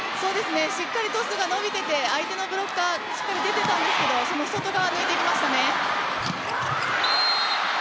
しっかりトスが伸びていて相手のブロッカーはしっかり出ていましたがその外側にいきましたね。